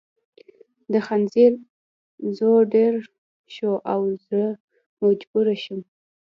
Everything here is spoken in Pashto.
د خنجر زور ډېر شو او زه مجبوره شوم